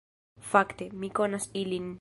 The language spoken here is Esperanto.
Fakte, mi konas ilin